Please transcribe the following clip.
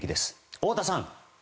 太田さん。